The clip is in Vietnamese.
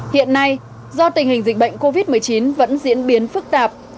hiện nay do tình hình dịch bệnh covid một mươi chín vẫn diễn biến phức tạp